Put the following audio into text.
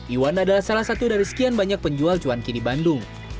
iwan adalah salah satu dari sekian banyak penjual cuanki di bandung